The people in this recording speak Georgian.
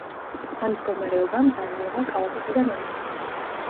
ამ მდგომარეობამ დანიელა კალაპოტიდან ამოაგდო.